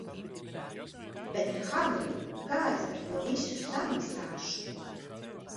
Bet Hagrid, kā es par to visu samaksāšu?